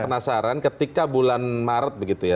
karena saya penasaran ketika bulan maret begitu ya